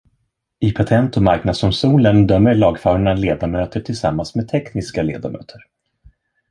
I Patent- och marknadsdomstolen dömer lagfarna ledamöter tillsammans med tekniska ledamöter.